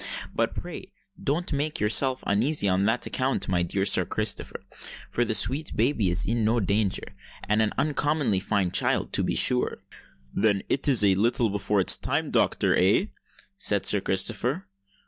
But pray don't make yourself uneasy on that account, my dear Sir Christopher; for the sweet babe is in no danger, and is an uncommonly fine child, to be sure!" "Then it is a little before its time, doctor—eh!" said Sir Christopher.